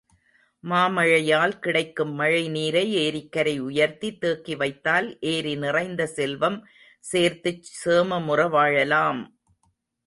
மாமழையால் கிடைக்கும் மழை நீரை ஏரிக்கரை உயர்த்தி தேக்கி வைத்தால் ஏரி நிறைந்த செல்வம் சேர்த்துச் சேமமுற வாழலாம்!